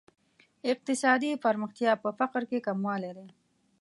اقتصادي پرمختیا په فقر کې کموالی دی.